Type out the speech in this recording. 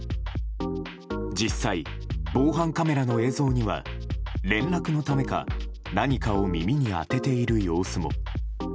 実際、防犯カメラの映像には連絡のためか何かを耳に当てている様子も。